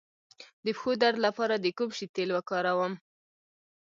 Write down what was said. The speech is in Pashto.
د پښو درد لپاره د کوم شي تېل وکاروم؟